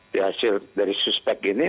dihasil dari suspek ini